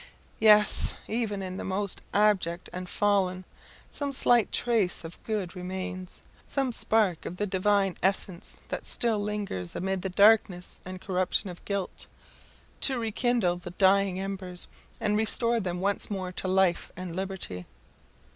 Yes, even in the most abject and fallen, some slight trace of good remains some spark of the Divine essence that still lingers amid the darkness and corruption of guilt, to rekindle the dying embers, and restore them once more to life and liberty.